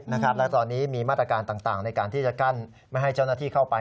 และตอนนี้มีมาตรการต่างในการที่จะกั้นไม่ให้เจ้าหน้าที่เข้าไป